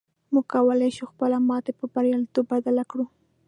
موږ کولی شو خپله ماتې پر برياليتوب بدله کړو.